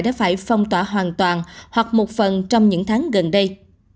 đã phải phong tỏa hoàn toàn hoặc một phần trong những tháng gần đây